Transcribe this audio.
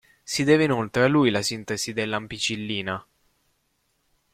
Si deve inoltre a lui la sintesi dell'ampicillina.